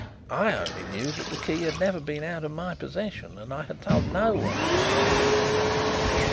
I only knew that the key had never been out of my possession and I had told no one of the password.